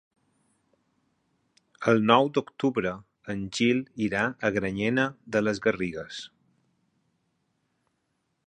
El nou d'octubre en Gil irà a Granyena de les Garrigues.